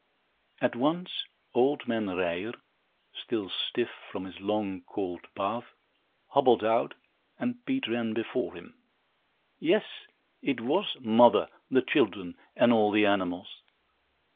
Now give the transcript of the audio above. At once, old man Ryer, still stiff from his long, cold bath, hobbled out, and Pete ran before him. Yes, it was mother, the children and all the animals!